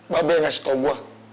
babe yang ngasih tau gue